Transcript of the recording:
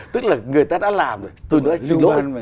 tức là người ta đã làm rồi tôi nói xin lỗi